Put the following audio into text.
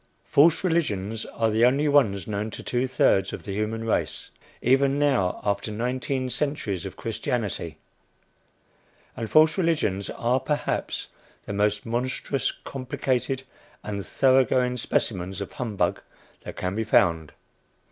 False religions are the only ones known to two thirds of the human race, even now, after nineteen centuries of Christianity; and false religions are perhaps the most monstrous, complicated and thorough going specimens of humbug that can be found.